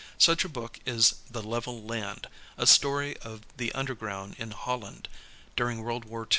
Such a book is The Level Land/ a story of the underground in Holland during World War II.